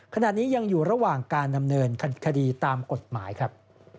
ขณะนี้ยังอยู่ระหว่างการดำเนินคดีตามกฎหมายครับ